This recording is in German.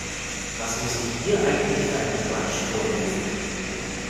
Was muss ich hier eigentlich für einen Quatsch vorlesen?